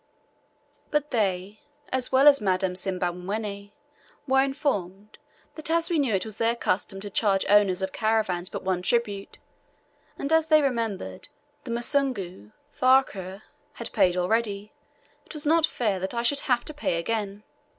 But they, as well as Madame Simbamwenni, were informed, that as we knew it was their custom to charge owners of caravans but one tribute, and as they remembered the Musungu (Farquhar) had paid already, it was not fair that I should have to pay again.